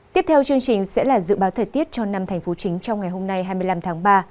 tiếp theo chương trình sẽ là dự báo thời tiết cho năm thành phố chính trong ngày hôm nay hai mươi năm tháng ba